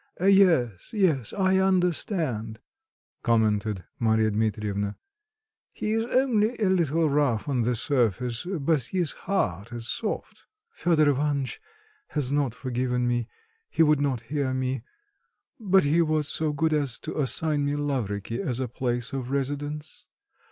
Yes, yes, I understand," commented Marya Dmitrievna. "He is only a little rough on the surface, but his heart is soft." "Fedor Ivanitch has not forgiven me; he would not hear me. But he was so good as to assign me Lavriky as a place of residence."